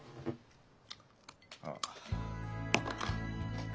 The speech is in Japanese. ああ。